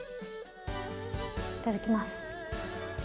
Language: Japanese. いただきます。